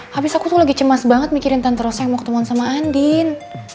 habis aku tuh lagi cemas banget mikirin tante rosa yang mau ketemuan sama andin